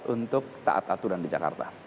untuk taat aturan di jakarta